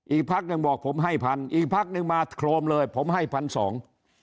อีกภาคนึงบอกผมให้พันธุ์อีกภาคนึงมาโครมเลยผมให้พันธุ์สอง